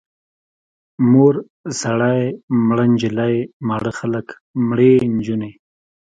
مور سړی، مړه نجلۍ، ماړه خلک، مړې نجونې.